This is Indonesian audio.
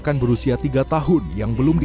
tapi nyatanya berapa